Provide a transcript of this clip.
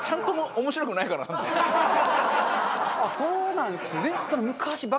ああそうなんですね。